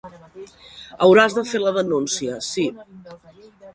Hauràs de fer la denúncia, sí.